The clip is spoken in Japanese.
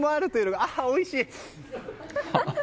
ああ、おいしい！